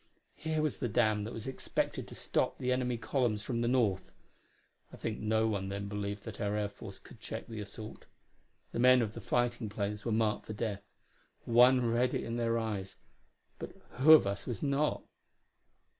Here was the dam that was expected to stop the enemy columns from the north. I think no one then believed that our air force could check the assault. The men of the fighting planes were marked for death; one read it in their eyes; but who of us was not?